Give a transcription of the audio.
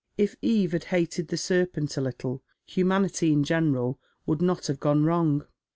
If Eve had hated the serpent a little, humanity in general would not have gone wrong